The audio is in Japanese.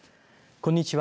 こんにちは。